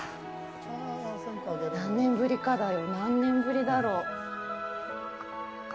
何年ぶりかだよ。何年ぶりだろう。